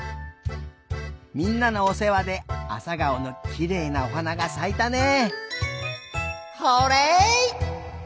みんなのおせわであさがおのきれいなおはながさいたね。